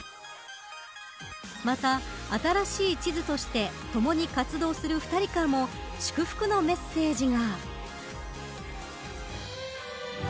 また、新しい地図そして共に活動する２人からも祝福のメッセージが。